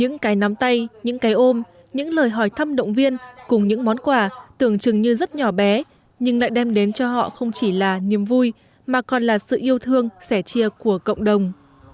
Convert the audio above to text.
những cái nắm tay những cái ôm những lời hỏi thăm động viên cùng những món quà tưởng chừng như rất nhỏ bé nhưng lại đem đến cho họ không chỉ là niềm vui mà còn là sự yêu thương sẻ chia của cộng đồng